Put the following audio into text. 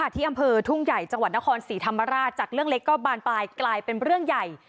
ที่อำเภอทุ่งใหญ่จังหวัดนครศรีธรรมราชจากเรื่องเล็กก็บานปลายกลายเป็นเรื่องใหญ่